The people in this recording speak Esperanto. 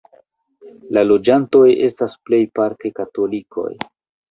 La loĝantoj estas plejparte katolikoj.